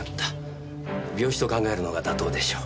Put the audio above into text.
病死と考えるのが妥当でしょう。